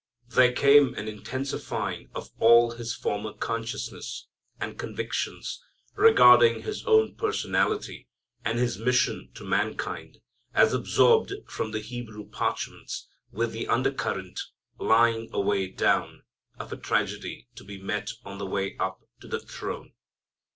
There came an intensifying of all His former consciousness, and convictions, regarding His own personality and His mission to mankind, as absorbed from the Hebrew parchments, with the undercurrent, lying away down, of a tragedy to be met on the way up to the throne.